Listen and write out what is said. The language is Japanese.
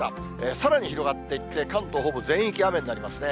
さらに広がっていって、関東ほぼ全域雨になりますね。